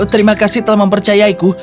terima kasih telah mempercayaiku